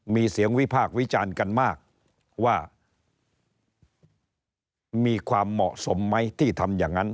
มีเสียงวิพากษ์วิจารณ์กันมากว่ามีความเหมาะสมไหมที่ทำอย่างนั้น